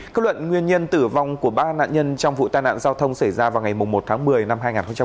kết luận nguyên nhân tử vong của ba nạn nhân trong vụ tai nạn giao thông xảy ra vào ngày một tháng một mươi năm hai nghìn một mươi chín